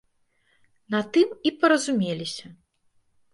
На тым і паразумеліся.